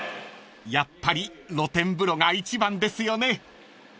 ［やっぱり露天風呂が一番ですよね］